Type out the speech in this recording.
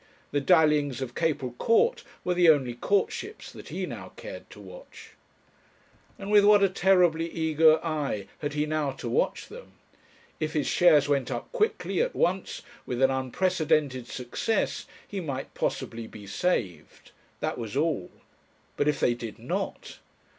The dallyings of Capel Court were the only courtships that he now cared to watch. And with what a terribly eager eye had he now to watch them! If his shares went up quickly, at once, with an unprecedented success, he might possibly be saved. That was all. But if they did not